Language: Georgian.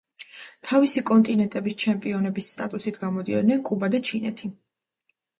თავისი კონტინენტების ჩემპიონების სტატუსით გამოდიოდნენ კუბა და ჩინეთი.